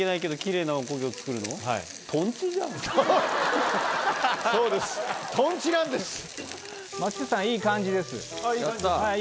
いい感じです。